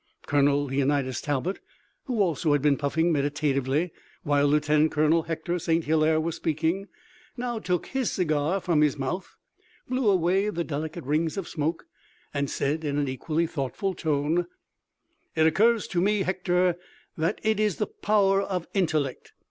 Colonel Leonidas Talbot, who also had been puffing meditatively while Lieutenant Colonel Hector St. Hilaire was speaking, now took his cigar from his mouth, blew away the delicate rings of smoke, and said in an equally thoughtful tone: "It occurs to me, Hector, that it is the power of intellect.